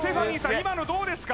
今のどうですか？